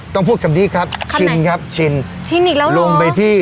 ต้องพูดคำนี้ครับชินครับชินชินอีกแล้วลงไปที่